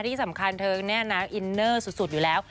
ที่สำคัญเธอเนี่ยนะอินเนอร์สุดอยู่แล้ว